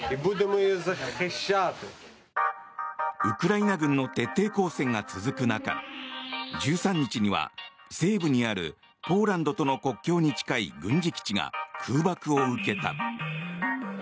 ウクライナ軍の徹底抗戦が続く中１３日には西部にあるポーランドとの国境に近い軍事基地が空爆を受けた。